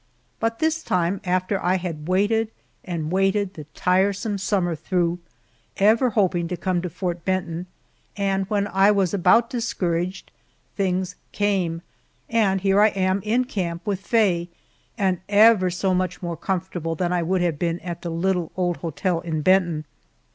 But this time, after I had waited and waited the tiresome summer through, ever hoping to come to Fort Benton, and when I was about discouraged, "things come," and here I am in camp with Faye, and ever so much more comfortable than I would have been at the little old hotel at Benton.